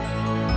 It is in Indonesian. sedih lagi ya